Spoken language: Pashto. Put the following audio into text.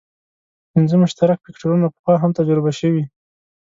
پنځه مشترک فکټورونه پخوا هم تجربه شوي.